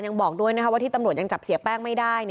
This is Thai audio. ยังบอกด้วยว่าที่ตำรวจยังจับเสียแป้งไม่ได้